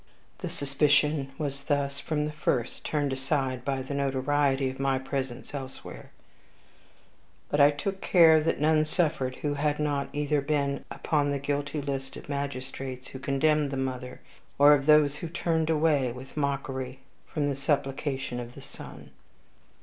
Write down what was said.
The suspicion was thus, from the first, turned aside by the notoriety of my presence elsewhere; but I took care that none suffered who had not either been upon the guilty list of magistrates who condemned the mother, or of those who turned away with mockery from the supplication of the son.